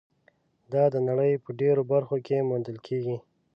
دا د نړۍ په ډېرو برخو کې موندل کېږي.